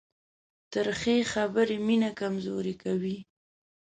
تریخې خبرې مینه کمزورې کوي.